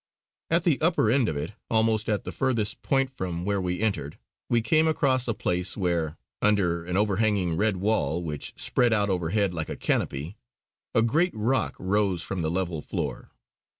At the upper end of it, almost at the furthest point from where we entered, we came across a place where, under an overhanging red wall which spread out overhead like a canopy, a great rock rose from the level floor.